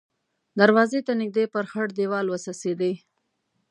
دروازې ته نږدې پر خړ دېوال وڅڅېدې.